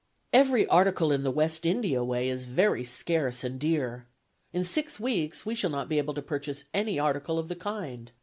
... "Every article in the West India way is very scarce and dear. In six weeks we shall not be able to purchase any article of the kind.